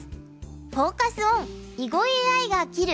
フォーカス・オン「囲碁ＡＩが斬る！